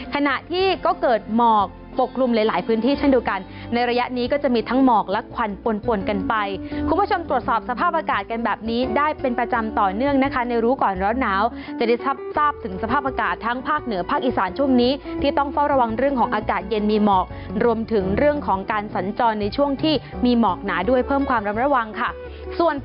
ขณะที่ก็เกิดหมอกปกลุ่มหลายพื้นที่ท่านดูกันในระยะนี้ก็จะมีทั้งหมอกและควันปวนกันไปคุณผู้ชมตรวจสอบสภาพอากาศกันแบบนี้ได้เป็นประจำต่อเนื่องนะคะในรู้ก่อนแล้วหนาวจะได้ทราบถึงสภาพอากาศทั้งภาคเหนือภาคอีสานช่วงนี้ที่ต้องเฝ้าระวังเรื่องของอากาศเย็นมีหมอกรวมถึงเรื่องของการส